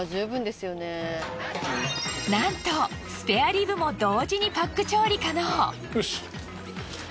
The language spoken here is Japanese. なんとスペアリブも同時にパック調理可能。